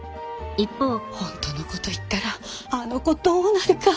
一方ほんとのこと言ったらあの子どうなるか。